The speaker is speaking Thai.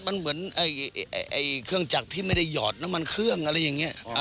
มันเหมือนเครื่องจักรที่ไม่ได้หยอดน้ำมันเครื่องอะไรอย่างนี้